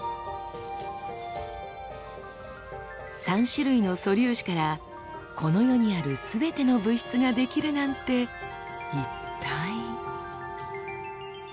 ３種類の素粒子からこの世にあるすべての物質が出来るなんて一体。